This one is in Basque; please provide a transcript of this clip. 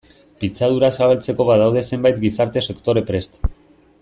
Pitzadura zabaltzeko badaude zenbait gizarte sektore prest.